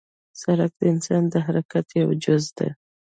سړک د انسان د حرکت یو جز دی.